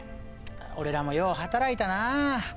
俺らもよう働いたなあ。